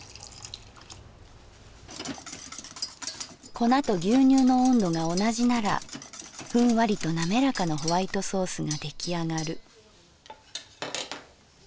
「粉と牛乳の温度が同じならフンワリとなめらかなホワイトソースが出来上がる」。